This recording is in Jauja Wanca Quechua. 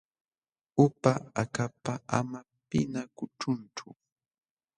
Upa akapa ama pinqakuchunchu.